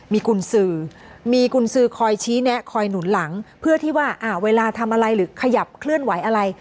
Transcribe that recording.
มีกุญสือมีกุญสือคอยชี้แนะคอยหนุนหลังเพื่อที่ว่าเวลาทำอะไรหรือขยับเคลื่อนไหวอะไร